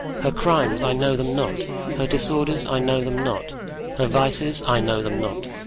Her crimes, I know them not; her disorders, I know them not; her vices, I know them not.